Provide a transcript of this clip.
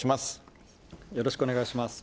よろしくお願いします。